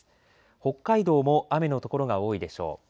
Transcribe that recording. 北海道も雨の所が多いでしょう。